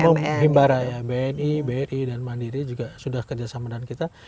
umum himbara ya bni bri dan mandiri juga sudah kerjasama dengan kita